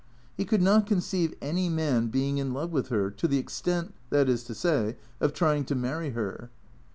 He could not conceive any man being in love with her, to the extent, that is to say, of trying to marry her.